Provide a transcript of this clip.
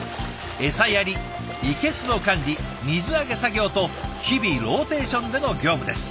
エサやり生けすの管理水揚げ作業と日々ローテーションでの業務です。